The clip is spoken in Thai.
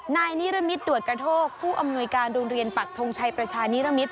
นายนิรมิตด่วนกระโทกผู้อำนวยการโรงเรียนปักทงชัยประชานิรมิต